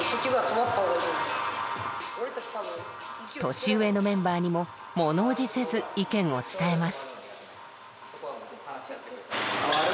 年上のメンバーにも物おじせず意見を伝えます。